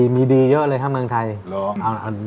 มีดีเยอะเลยครับเมืองไทย